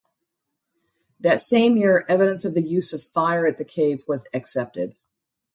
That same year evidence of the use of fire at the cave was accepted.